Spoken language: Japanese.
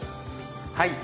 はい。